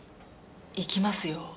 いきますよ？